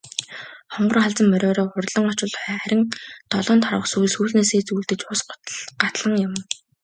Хонгор халзан мориороо хурдлан очвол харин долоон тарвага сүүл сүүлнээсээ зүүлдэж ус гатлан явна.